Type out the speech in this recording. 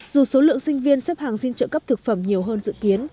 dù số lượng sinh viên xếp hàng xin trợ cấp thực phẩm nhiều hơn dự kiến